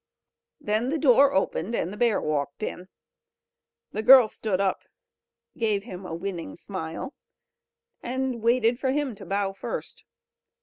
Then the door opened, and the bear walked in. The girl stood up, gave him a winning smile, and waited for him to bow first.